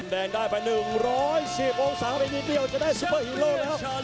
แดงได้ไป๑๑๐องศาเดี๋ยวจะได้ซุปเปอร์ฮีโร่แล้วครับ